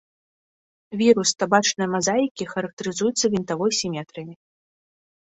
Вірус табачнай мазаікі характарызуецца вінтавой сіметрыяй.